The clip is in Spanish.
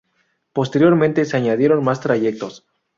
Posteriormente se añadieron más trayectos.